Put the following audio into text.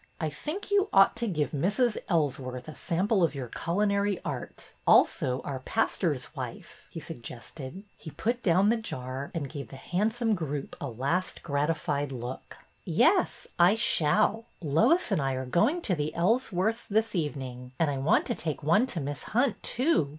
I think you ought to give Mrs. Ellsworth a sample of your culinary art, also our pastor's wife," he suggested. He put down the jar, and gave the handsome group a last gratified look. ii6 BETTY BAIRD'S VENTURES Yes, I shall. Lois and I are going to the Ellsworths' this evening, and I want to take one to Miss Hunt, too.